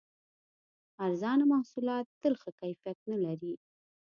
ارزانه محصولات تل ښه کیفیت نه لري.